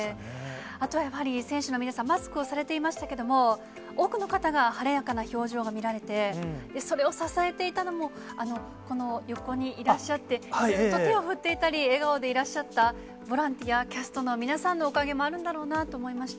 あとはやはり、選手の皆さん、マスクをされていましたけども、多くの方が晴れやかな表情が見られて、それを支えていたのも、この横にいらっしゃって、ずっと手を振っていたり、笑顔でいらっしゃったボランティア、キャストの皆さんのおかげもあるんだろうなと思いました。